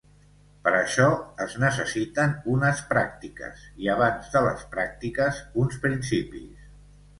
Per això, es necessiten unes pràctiques, i abans de les pràctiques, uns principis.